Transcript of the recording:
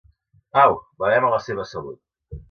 Au, bevem a la seva salut.